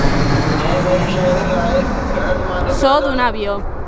جنهن ۾ شهرين لاءِ گهرن مان نڪرندڙ